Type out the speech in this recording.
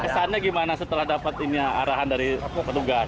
kesannya bagaimana setelah dapat arahan dari petugas